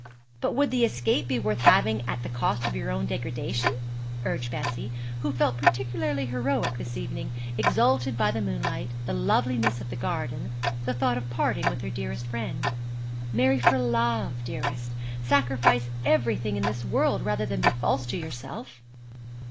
'But would the escape be worth having at the cost of your own degradation?' urged Bessie, who felt particularly heroic this evening, exalted by the moonlight, the loveliness of the garden, the thought of parting with her dearest friend. 'Marry for love, dearest. Sacrifice everything in this world rather than be false to yourself.'